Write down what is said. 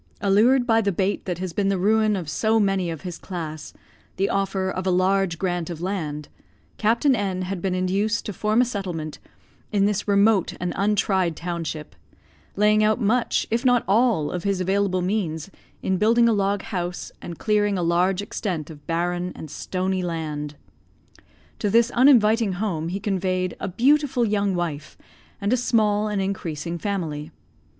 Allured by the bait that has been the ruin of so many of his class, the offer of a large grant of land, Captain N had been induced to form a settlement in this remote and untried township; laying out much, if not all, of his available means in building a log house, and clearing a large extent of barren and stony land. To this uninviting home he conveyed a beautiful young wife, and a small and increasing family.